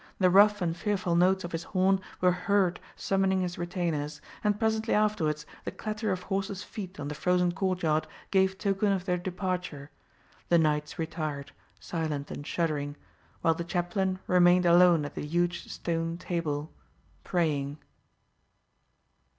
The rough and fearful notes of his horn were heard summoning his retainers; and presently afterwards the clatter of horses' feet on the frozen court yard gave token of their departure. The knights retired, silent and shuddering; while the chaplain remained alone at the huge stone table, praying.